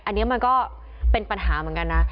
อันนี้มันก็เป็นปัญหาเหมือนกันนะ